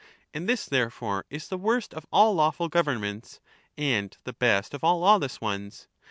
evil. De And this therefore is the worst of all lawful governments, mocracy »s and the best of all lawless ones.